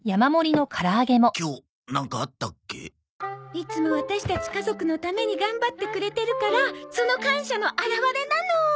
いつもワタシたち家族のために頑張ってくれてるからその感謝の表れなの！